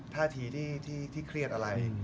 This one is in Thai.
ท่าทีที่เครียดอะไร